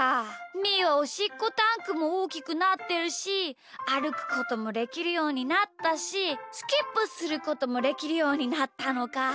みーはおしっこタンクもおおきくなってるしあるくこともできるようになったしスキップすることもできるようになったのか。